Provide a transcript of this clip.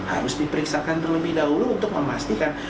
harus diperiksakan terlebih dahulu untuk memastikan